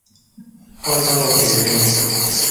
โพ่โล่เพ่เล่